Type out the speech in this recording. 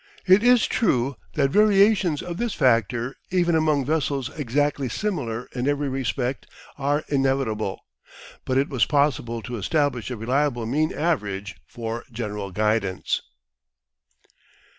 It is true that variations of this factor even among vessels exactly similar in every respect are inevitable, but it was possible to establish a reliable mean average for general guidance.